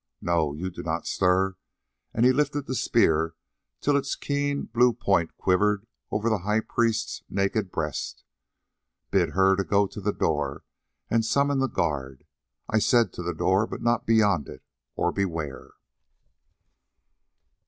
No, you do not stir," and he lifted the spear till its keen blue point quivered over the high priest's naked breast. "Bid her go to the door and summon the guard. I said to the door, but not beyond it, or beware!"